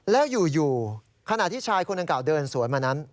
แล้วอยู่ขณะที่ชายคนดังกล่าวเดินสวนมานั้น